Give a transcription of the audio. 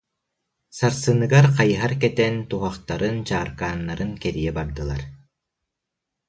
Сарсыныгар хайыһар кэтэн, туһахтарын, чааркааннарын кэрийэ бардылар